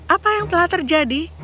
apa yang telah terjadi